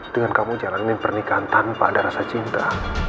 dengan kamu jalanin pernikahan tanpa ada rasa cinta